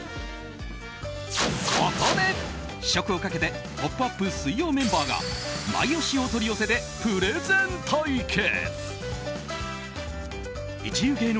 そこで試食をかけて「ポップＵＰ！」水曜メンバーがマイ推しお取り寄せでプレゼン対決。